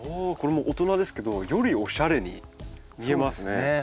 おこれも大人ですけどよりおしゃれに見えますね。